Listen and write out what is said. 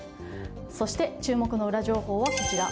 そして、注目のウラ情報はこちら。